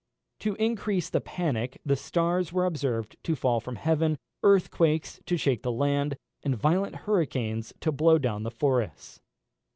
To increase the panic, the stars were observed to fall from heaven, earthquakes to shake the land, and violent hurricanes to blow down the forests.